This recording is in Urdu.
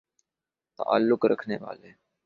تعلق رکھنے والے